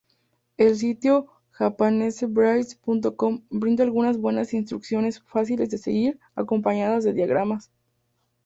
El sitio JapaneseBraids.com brinda algunas buenas instrucciones fáciles de seguir acompañadas de diagramas.